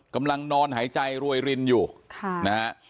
กำลังนอนหายใจรวยรินอยู่ค่ะนะฮะ